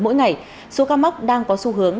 mỗi ngày số ca mắc đang có xu hướng